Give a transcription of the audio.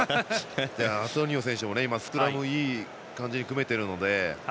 アトニオ選手もスクラム、いい感じで組めているので。